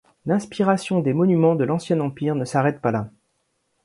L'inspiration des monuments de l'Ancien Empire ne s'arrête pas là.